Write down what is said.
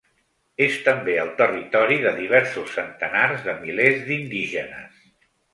És també el territori de diversos centenars de milers d’indígenes.